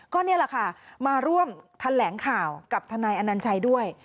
ก็นี่แหละค่ะมาร่วมแถลงข่าวกับทนายอนัญชัยด้วย